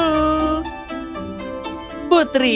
mawar biru adalah dirimu